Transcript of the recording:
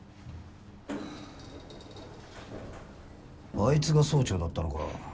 あいつが総長だったのか。